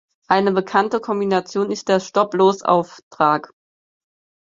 Eine bekannte Kombination ist der Stop-Loss-Auftrag.